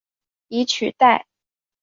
以取代。